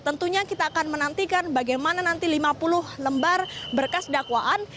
tentunya kita akan menantikan bagaimana nanti lima puluh lembar berkas dakwaan